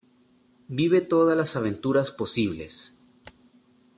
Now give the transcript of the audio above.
Vive todas las aventuras posibles.